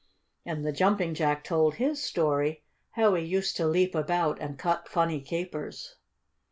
And the Jumping Jack told his story, how he used to leap about and cut funny capers.